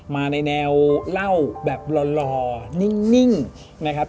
มาในแนวเล่าแบบหล่อนิ่งนะครับ